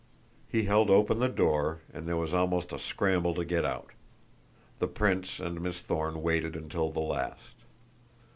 He held open the door and there was almost a scramble to get out. The prince and Miss Thorne waited until the last.